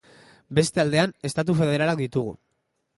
Beste aldean, estatu federalak ditugu.